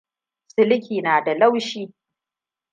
Siliki na da laushi.